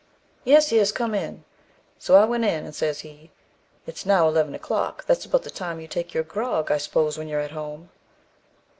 'Yes, yes, come in.' So I went in, and says he, 'It's now eleven o'clock; that's about the time you take your grog, I s'pose, when you are at home.'